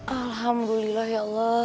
alhamdulillah ya allah